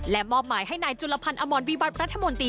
และมอบหมายให้นายจุลพันธ์อมรวิวัตรรัฐมนตรี